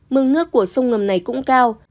mừng nước của sông ngầm này cũng cao